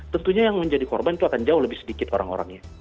tentunya yang menjadi korban itu akan jauh lebih sedikit orang orangnya